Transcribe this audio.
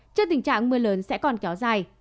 trên tình trạng mưa lớn sẽ còn kéo dài